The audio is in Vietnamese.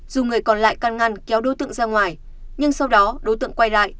dù người còn lại can ngăn kéo đối tượng ra ngoài nhưng sau đó đối tượng quay lại